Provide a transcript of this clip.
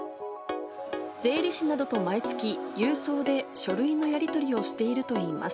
税理士などと毎月、郵送で書類のやり取りをしているといいます。